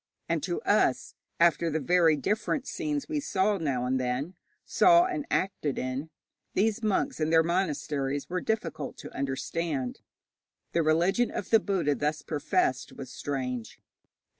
And to us, after the very different scenes we saw now and then, saw and acted in, these monks and their monasteries were difficult to understand. The religion of the Buddha thus professed was strange.